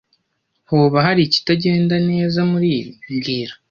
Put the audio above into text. Hoba hari ikitagenda neza muribi mbwira